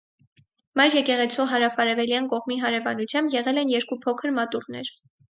Մայր եկեղեցու հարավարևելյան կողմի հարևանությամբ եղել են երկու փոքր մատուռներ։